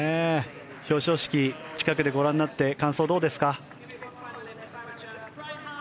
表彰式近くでご覧になって感想、どうですか？